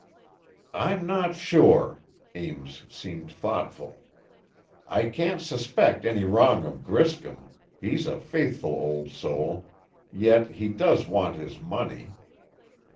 "I'm not sure." Ames seemed thoughtful. "I can't suspect any wrong of Griscom; he's a faithful old soul, yet he does want his money.